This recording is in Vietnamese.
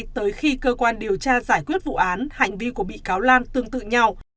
tới khi cơ quan điều tra giải quyết vụ án hành vi của bị cáo lan tương tự nhau